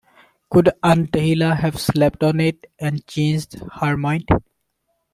Could Aunt Dahlia have slept on it and changed her mind?